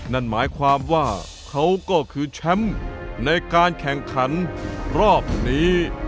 นั่นหมายความว่าเขาก็คือแชมป์ในการแข่งขันรอบนี้